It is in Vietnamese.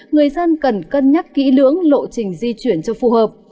người dân cần cân nhắc kỹ lưỡng lộ trình di chuyển cho phù hợp